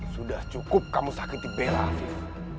sudah cukup kamu sakiti bella afif